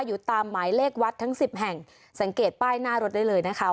อยู่ตามหมายเลขวัดทั้งสิบแห่งสังเกตป้ายหน้ารถได้เลยนะคะ